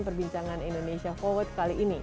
perbincangan indonesia forward kali ini